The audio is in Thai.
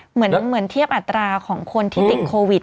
เหมือนเทียบอัตราของคนที่ติดโควิด